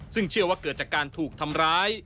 ซึ่งเชื่อว่าเกิดจากการถูกทำร้าย